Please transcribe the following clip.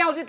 mày đi ra